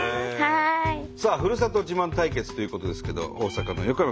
さあふるさと自慢対決ということですけど大阪の横山君。